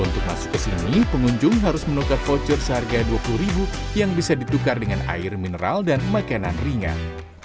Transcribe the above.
untuk masuk ke sini pengunjung harus menukar voucher seharga dua puluh yang bisa ditukar dengan air mineral dan makanan ringan